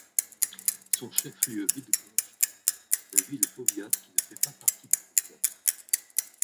Son chef-lieu Bydgoszcz est une ville-powiat qui ne fait pas partie du powiat.